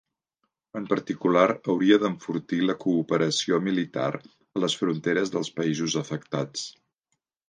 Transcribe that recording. En particular, hauria d'enfortir la cooperació militar a les fronteres dels països afectats.